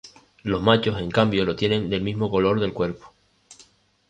Los machos en cambio, lo tienen del mismo color del cuerpo.